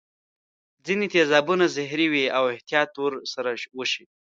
ځیني تیزابونه زهري وي او احتیاط ور سره وشي.